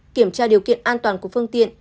kiểm tra điều kiện an toàn của phương tiện